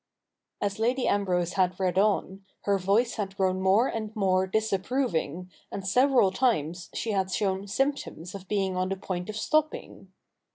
As Lady Ambrose had read on, her voice had grown more and more disapproving, and several times she had shown symptoms of being on the point of stopping.